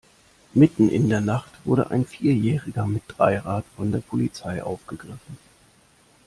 Mitten in der Nacht wurde ein Vierjähriger mit Dreirad von der Polizei aufgegriffen.